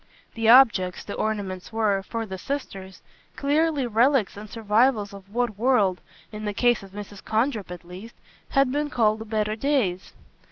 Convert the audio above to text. The objects, the ornaments were, for the sisters, clearly relics and survivals of what would, in the case of Mrs. Condrip at least, have been called better days.